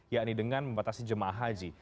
yakni dengan membatasi jemaah haji